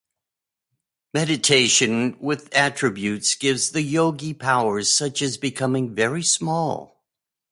Meditation with attributes gives the yogi powers such as becoming very small.